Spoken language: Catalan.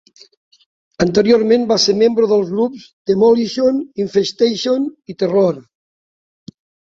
Anteriorment, va ser membre dels grups Demolition, Infestation i Terror.